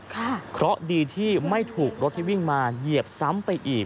เพราะดีที่ไม่ถูกรถที่วิ่งมาเหยียบซ้ำไปอีก